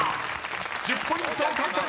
［１０ポイント獲得です］